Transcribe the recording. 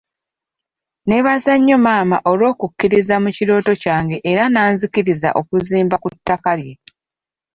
Nneebaza nnyo maama olw'okukkiririza mu kirooto kyange era n’anzikiriza okuzimba ku ttaka lye.